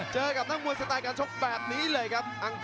เจอกับนักมวยสไตล์การชกแบบนี้เลยครับ